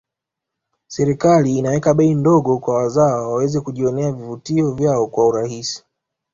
serikali inaweka bei ndogo kwa wazawa waweze kujionea vivutio vyao kwa urahisi